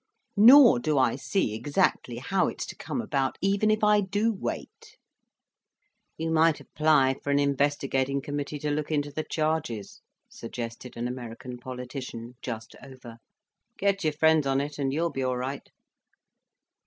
Nor do I see exactly how it's to come about even if I do wait." "You might apply for an investigating committee to look into the charges," suggested an American politician, just over. "Get your friends on it, and you'll be all right."